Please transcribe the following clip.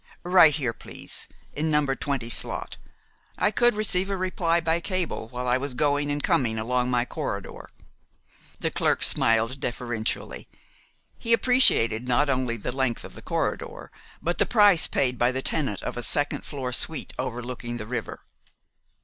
"Right here, please, in No. 20 slot. I could receive a reply by cable while I was going and coming along my corridor." The clerk smiled deferentially. He appreciated not only the length of the corridor, but the price paid by the tenant of a second floor suite overlooking the river.